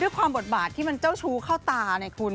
ด้วยความบทบาทเขาเจ้าชูเข้าตาในคุณ